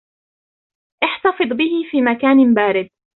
احتفظ به في مكان بارد.